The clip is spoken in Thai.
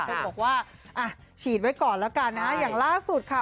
บอกว่าอ่ะฉีดไว้ก่อนแล้วกันนะฮะอย่างล่าสุดค่ะ